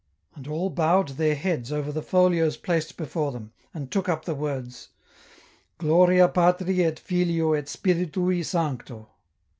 And all bowed their heads over the folios placed before them, and took up the words, —" Gloria Patri et Filio et Spiritui Sancto."